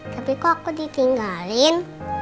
tapi kok aku ditinggalin